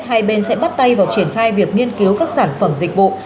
hai bên sẽ bắt tay vào triển khai việc nghiên cứu các sản phẩm dịch vụ